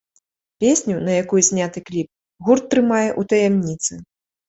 Песню, на якую зняты кліп, гурт трымае ў таямніцы.